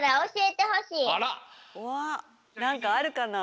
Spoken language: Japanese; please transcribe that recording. なんかあるかな？